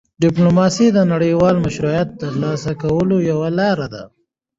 ډيپلوماسي د نړیوال مشروعیت ترلاسه کولو یوه لار ده.